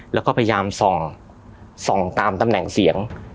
แล้วก็พยายามส่องตามตำแหน่งเสียง